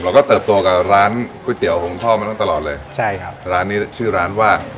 เติบโตกับร้านก๋วยเตี๋ยวหงท่อมาตั้งตลอดเลยใช่ครับร้านนี้ชื่อร้านว่า